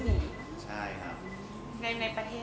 ในประเทศอะไรเนี่ย